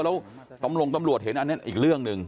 แล้วตำรวจเห็นอันนี้อีกเรื่องหนึ่ง